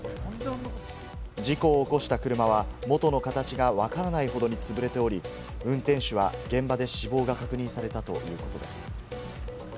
事故を起こした車は元の形がわからないほどに潰れており、運転手は現場で死亡が確認されたということです。